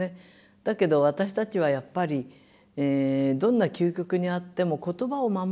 だけど私たちはやっぱりどんな究極にあっても言葉を守る。